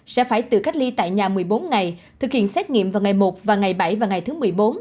sẽ phải tự cách ly tại nhà một mươi bốn ngày thực hiện xét nghiệm vào ngày một và ngày bảy và ngày thứ một mươi bốn